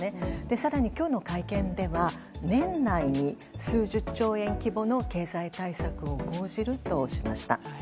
更に今日の会見では年内に数十兆円規模の経済対策を講じるとしました。